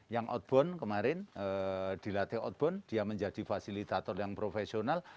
yang outbound kemarin dilatih outbound dia menjadi fasilitator yang profesional